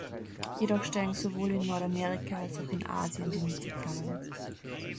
Jedoch steigen sowohl in Nordamerika als auch in Asien die Nutzerzahlen.